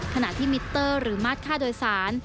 ขณะที่มิเตอร์หรือมาตรค่าโดยสาร